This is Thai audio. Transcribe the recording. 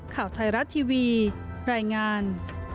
ข่าวไทยรัฐทีวีรายงาน